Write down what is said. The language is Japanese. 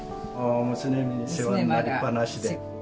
娘に世話になりっぱなしで。